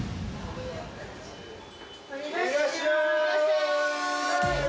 いらっしゃーい。